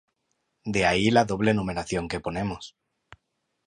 De ahí la doble numeración que ponemos.